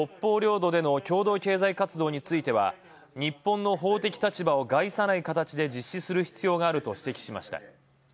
共同経済活動については、日本の法的立場を害さない形で実施する必要があると指摘しました。